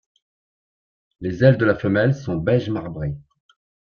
Les ailes de la femelle sont beige marbré.